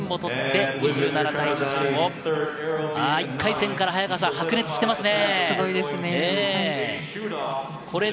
１回戦から早川さん、白熱してますね。